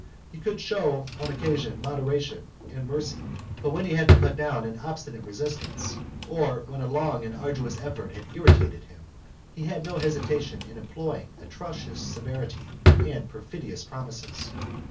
He could show, on occasion, moderation and mercy; but when he had to put down an obstinate resistance, or when a long and arduous effort had irritated him, he had no hesitation in employing atrocious severity and perfidious promises.